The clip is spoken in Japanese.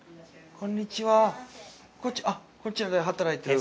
こちらで働いてる。